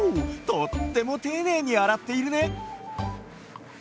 とってもていねいにあらっているね！